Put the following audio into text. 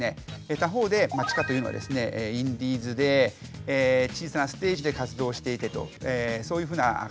他方で地下というのはですねインディーズで小さなステージで活動していてとそういうふうな方たちです。